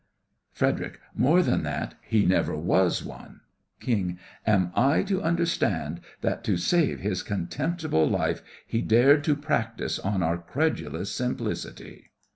FREDERIC: More than that, he never was one! KING: Am I to understand that, to save his contemptible life, he dared to practice on our credulous simplicity?